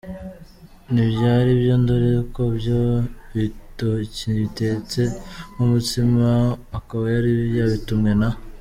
ntibyari byo dore ko byari ibitoki bitetse nkumutsima akaba yari yabitumwe na.